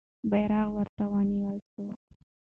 بیرغ ورته ونیول سو.